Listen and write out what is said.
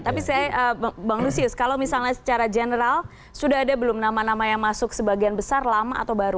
tapi saya bang lusius kalau misalnya secara general sudah ada belum nama nama yang masuk sebagian besar lama atau baru